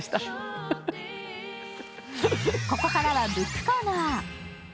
ここからはブックコーナー。